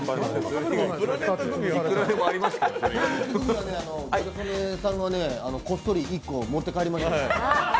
ギャル曽根さん、こっそり１個持って帰りましたよ。